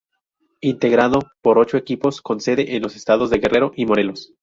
Integrado por ocho equipos con sede en los estados de Guerrero y Morelos.